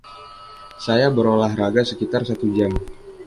Saya berolahraga sekitar satu jam.